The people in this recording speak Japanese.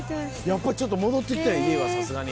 やっぱりちょっと戻ってきた家はさすがに。